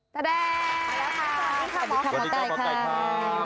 พันธุ์ครับสวัสดีครับค่ะค่ะนอตเต้ไอค่ะสวัสดีครับค่ะ